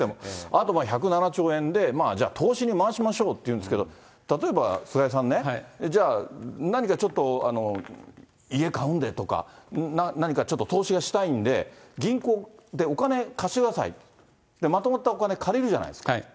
あと１０７兆円でじゃあ投資に回しましょうっていうんですけど、例えば菅井さんね、じゃあ何かちょっと家買うんでとか、何かちょっと投資がしたいんで、銀行でお金貸してください、まとまったお金借りるじゃないですか。